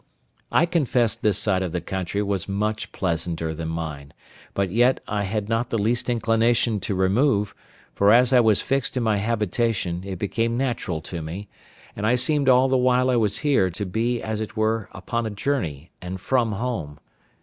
I confess this side of the country was much pleasanter than mine; but yet I had not the least inclination to remove, for as I was fixed in my habitation it became natural to me, and I seemed all the while I was here to be as it were upon a journey, and from home.